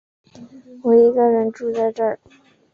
我一个人住在这